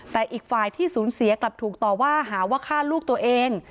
แต่อีกฝ่ายที่สูญเสียกลับถูกต่อว่าหาว่าฆ่าลูกตัวเอง